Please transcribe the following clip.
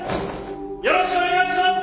よろしくお願いします！